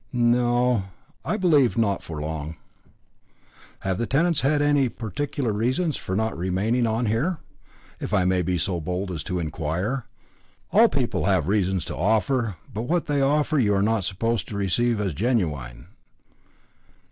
"No o. I believe, not for long." "Have the tenants had any particular reasons for not remaining on there if I may be so bold as to inquire?" "All people have reasons to offer, but what they offer you are not supposed to receive as genuine."